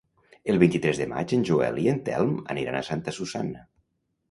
El vint-i-tres de maig en Joel i en Telm aniran a Santa Susanna.